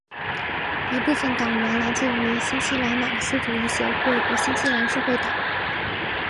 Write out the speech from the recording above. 一部分党员来自于新西兰马克思主义协会和新西兰社会党。